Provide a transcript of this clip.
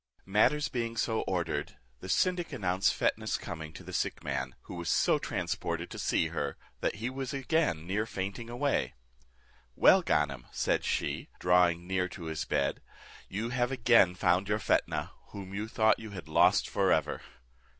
Matters being so ordered, the syndic announced Fetnah's coming to the sick man, who was so transported to see her, that he was again near fainting away, "Well, Ganem," said she, drawing near to his bed, "you have again found your Fetnah, whom you thought you had lost for ever."